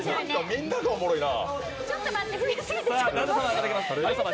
みんながおもろいな。